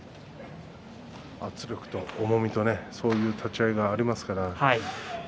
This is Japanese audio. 圧力と重みとそういう立ち合いがありますからね。